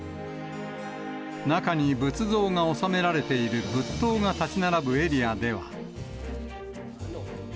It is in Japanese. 中に仏像が納められている仏塔が建ち並ぶエリアでは。